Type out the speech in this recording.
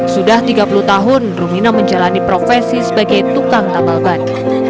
sudah tiga puluh tahun rumina menjalani profesi sebagai tukang tambal ban